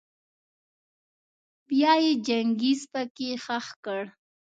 بيا يې چنګېز پکي خښ کړ.